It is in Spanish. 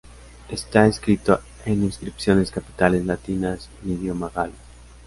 Está escrito en inscripciones capitales latinas y en idioma galo.